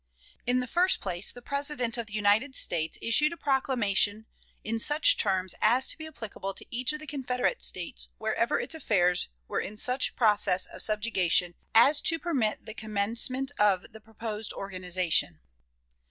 In the first place, the President of the United States issued a proclamation in such terms as to be applicable to each of the Confederate States wherever its affairs were in such process of subjugation as to permit the commencement of the proposed organization.